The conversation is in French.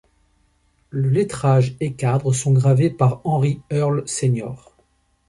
Le lettrage et cadre sont gravés par Henry Earle Sr.